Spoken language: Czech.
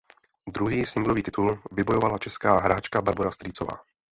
Druhý singlový titul vybojovala česká hráčka Barbora Strýcová.